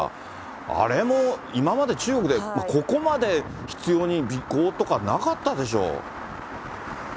あれも、今まで中国で、ここまで執ように尾行とかなかったでしょ？